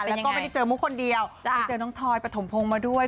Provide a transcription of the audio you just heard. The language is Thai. แล้วก็ไม่ได้เจอมุกคนเดียวไปเจอน้องทอยปฐมพงศ์มาด้วย